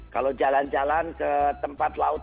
kalau jalan jalan ke tempat laut